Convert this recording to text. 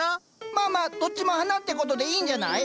まあまあどっちも花ってことでいいんじゃない？